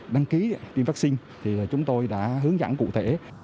đăng ký tiêm vaccine thì chúng tôi đã hướng dẫn cụ thể